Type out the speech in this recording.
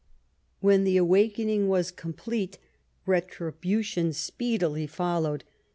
AVhen the awakening was com })lete, retribution speedily followed.